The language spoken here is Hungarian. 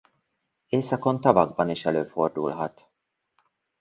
Északon tavakban is előfordulhat.